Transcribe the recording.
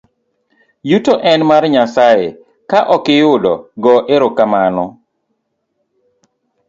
Yuto en mar Nyasaye, ka okiyudo go ero kamano.